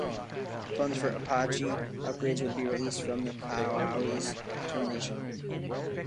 Funds for Apache upgrades would be released from the Kiowa's termination.